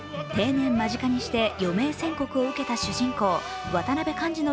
定年間近にして、余命宣告を受けた主人公・渡辺勘治の